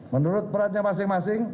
menurut peran masing masing